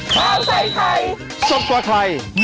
สวัสดีค่ะ